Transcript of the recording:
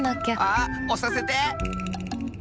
あっおさせて！